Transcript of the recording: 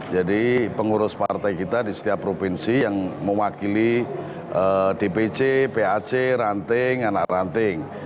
jadi pengurus partai kita di setiap provinsi yang mewakili dpc pac ranting anak ranting